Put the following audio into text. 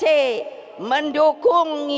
mendukung mendukung mendukung